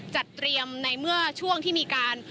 จัดเตรียมในเมื่อช่วงที่มีการ